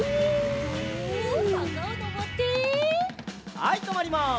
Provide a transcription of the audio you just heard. はいとまります。